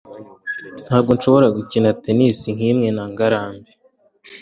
ntabwo nshobora gukina tennis kimwe na ngarambe